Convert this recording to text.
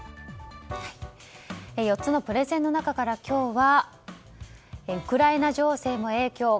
４つのプレゼンの中から今日はウクライナ情勢も影響。